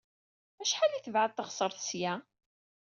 Acḥal ay tebɛed teɣsert seg-a?